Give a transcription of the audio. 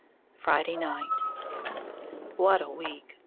Friday Night. What a week!